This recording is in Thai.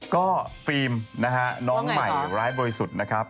ก็ฟิล์มนะฮะน้องใหม่ร้ายบริสุทธิ์นะครับ